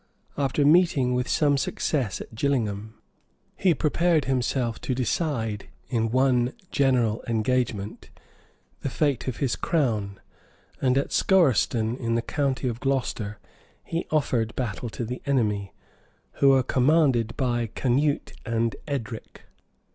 After meeting with some success at Gillingnam, he prepared himself to decide, in one general engagement, the fate of his crown: and at Scoerston, in the county of Glocester, he offered battle to the enemy, who were commanded by Canute and Edric.